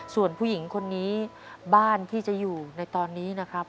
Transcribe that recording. ส่วนผู้หญิงคนนี้บ้านที่จะอยู่ในตอนนี้นะครับ